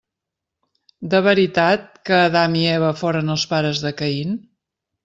De veritat que Adam i Eva foren els pares de Caín?